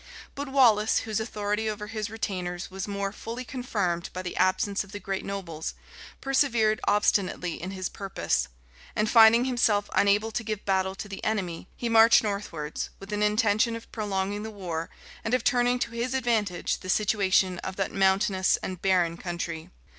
But Wallace, whose authority over his retainers was more fully confirmed by the absence of the great nobles, persevered obstinately in his purpose; and finding himself unable to give battle to the enemy, he marched northwards, with an intention of prolonging the war, and of turning to his advantage the situation of that mountainous and barren country.